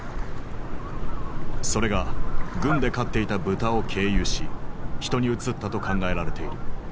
それが軍で飼っていた豚を経由し人にうつったと考えられている。